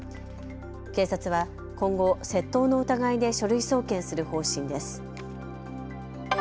警察は今後、窃盗の疑いで書類送検する方針です。